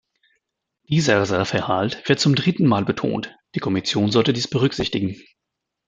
Dieser Sachverhalt wird zum dritten Mal betont, die Kommission sollte dies berücksichtigen.